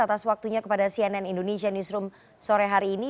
atas waktunya kepada cnn indonesia newsroom sore hari ini